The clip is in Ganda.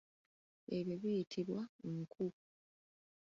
Ebyo biyitibwa nku.